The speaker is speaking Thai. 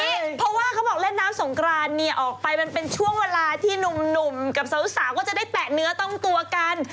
เพราะว่าเขาบอกเล่นน้ำสงกรานเนี่ยออกไปมันเป็นช่วงเวลาที่หนุ่มกับสาวก็จะได้แตะเนื้อต้องตัวกัน